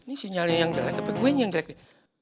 ini sinyalnya yang jelek tapi gue yang jelek